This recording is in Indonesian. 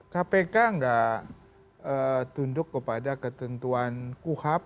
kpk nggak tunduk kepada ketentuan kuhap